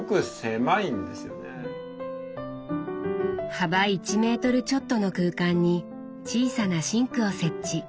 幅１メートルちょっとの空間に小さなシンクを設置。